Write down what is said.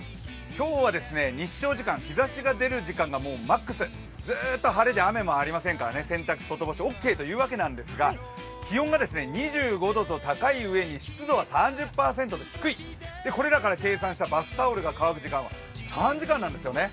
今日は日照時間、日ざしが出る時間がマックス、ずーっと晴れで雨もありませんからね、洗濯、外干し、オッケーというわけなんですが、気温が２５度と高いうえに湿度は３０％と低い、これらから計算したバスタオルが乾く時間は３時間なんですよね。